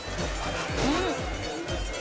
うん！